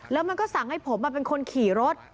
แล้วมันก็สั่งให้ผมเป็นคนขี่รถ